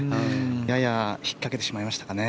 やや引っかけてしまいましたかね。